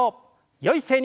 よい姿勢に。